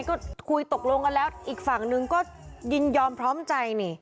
ก็คุยตกลงกันแล้วอีกฝั่งนึงก็ยินยอมพร้อมใจนี่